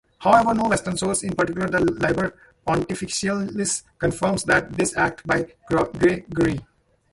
However, no western source, in particular the Liber pontificalis, confirms this act by Gregory.